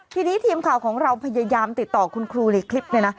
ทีนี้ทีมข่าวของเราพยายามติดต่อคุณครูในคลิปเนี่ยนะ